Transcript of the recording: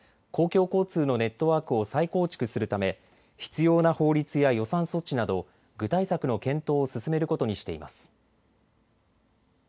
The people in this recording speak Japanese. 公共交通のネットワークを再構築するため必要な法律や予算措置など具体策の検討を進めることにしています。